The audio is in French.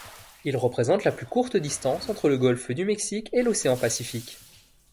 Il représente la plus courte distance entre le golfe du Mexique et l'océan Pacifique.